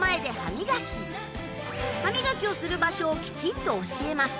歯磨きをする場所をきちんと教えます。